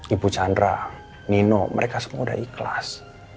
ibu chandra nino mereka semua udah ikhlas